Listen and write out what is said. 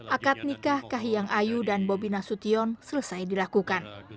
akad nikah kahiyang ayu dan bobi nasution selesai dilakukan